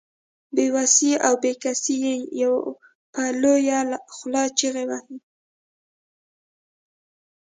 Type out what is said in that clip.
بې وسي او بې کسي يې په لويه خوله چيغې وهي.